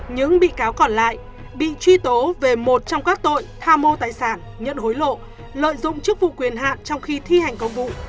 những bị cáo còn lại bị truy tố về một trong các tội tham mô tài sản nhận hối lộ lợi dụng chức vụ quyền hạn trong khi thi hành công vụ